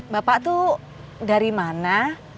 bapak tuh dari mana